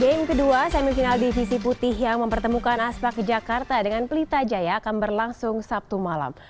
game kedua semifinal divisi putih yang mempertemukan aspak jakarta dengan pelita jaya akan berlangsung sabtu malam